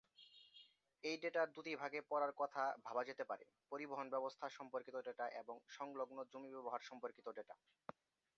এই ডেটা দুটি ভাগে পড়ার কথা ভাবা যেতে পারে: পরিবহন ব্যবস্থা সম্পর্কিত ডেটা এবং সংলগ্ন জমি ব্যবহার সম্পর্কিত ডেটা।